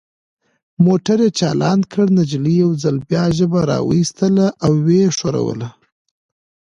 موټر یې چالان کړ، نجلۍ یو ځل بیا ژبه را وایستل او ویې ښوروله.